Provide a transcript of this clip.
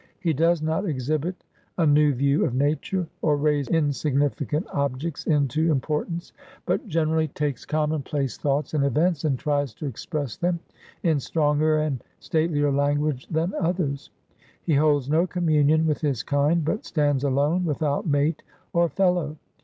He does not exhibit a new view of nature, or raise insignificant objects into importance ; but general ly takes common place thoughts and events, and tries to express them in stronger and statelier language than others. He holds no communion with his kind, but stands alone, without mate or fellow.